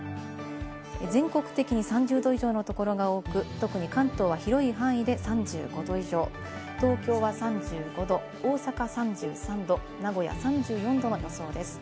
全国的に３０℃以上のところが多く、特に関東は広い範囲で３５度以上、東京は３５度、大阪３３度、名古屋３４度の予想です。